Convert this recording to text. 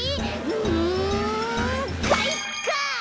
うんかいか！